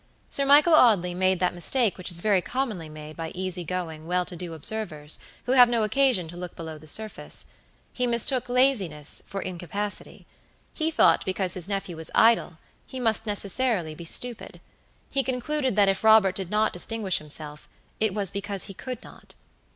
Sir Michael Audley made that mistake which is very commonly made by easy going, well to do observers, who have no occasion to look below the surface. He mistook laziness for incapacity. He thought because his nephew was idle, he must necessarily be stupid. He concluded that if Robert did not distinguish himself, it was because he could not.